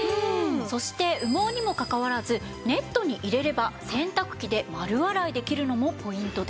そして羽毛にもかかわらずネットに入れれば洗濯機で丸洗いできるのもポイントです。